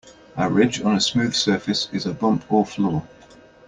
A ridge on a smooth surface is a bump or flaw.